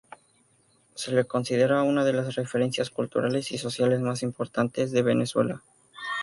Se le considera una de las referencias culturales y sociales más importantes de Venezuela.